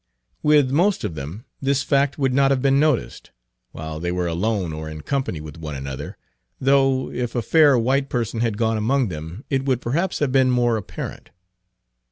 With most of them this fact would not have been noticed, while they were alone or in company with one another, though if a fair white person had gone among them it would perhaps have been more apparent.